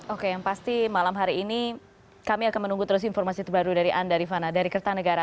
oke yang pasti malam hari ini kami akan menunggu terus informasi terbaru dari anda rifana dari kertanegara